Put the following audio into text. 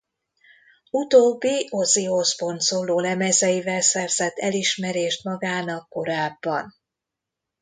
Utóbbi Ozzy Osbourne szólólemezeivel szerzett elismerést magának korábban.